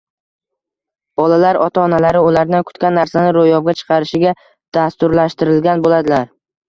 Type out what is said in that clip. Bolalar ota-onalari ulardan kutgan narsani ro‘yobga chiqarishga dasturlashtirilgan bo‘ladilar.